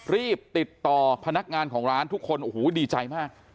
รีบติดต่อพนักงานของร้านทุกคนโอ้โหดีใจมาก